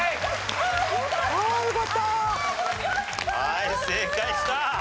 はい正解した。